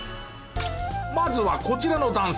まずはこちらの男性。